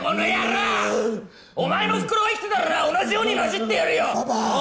ううお前のおふくろが生きてたらな同じようになじってやるよパパパパ！